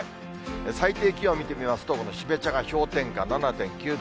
最低気温を見てみますと、この標茶が氷点下７．９度。